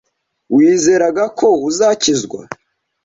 Wizeraga ko uzakizwa